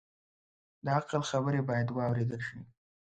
د عقل خبرې باید واورېدل شي